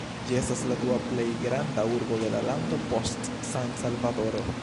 Ĝi estas la dua plej granda urbo de la lando post San-Salvadoro.